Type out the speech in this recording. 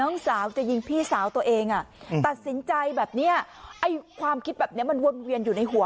น้องสาวจะยิงพี่สาวตัวเองอ่ะตัดสินใจแบบเนี้ยไอ้ความคิดแบบนี้มันวนเวียนอยู่ในหัว